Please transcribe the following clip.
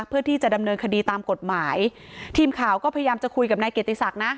เพื่อที่จะดำเนินคดีตามกฎหมายทีมข่าวก็พยายามจะคุยกับนายเกียรติศักดิ์นะ